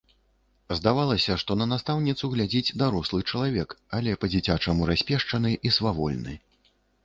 Здавалася, што на настаўніцу глядзіць дарослы чалавек, але па-дзіцячаму распешчаны і свавольны.